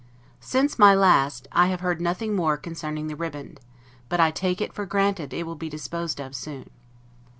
Since my last, I have heard nothing more concerning the ribband; but I take it for granted it will be disposed of soon.